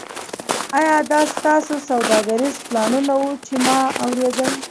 ایا دا ستاسو سوداګریز پلانونه وو چې ما اوریدل